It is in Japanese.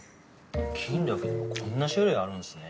金だけでもこんな種類あるんすね。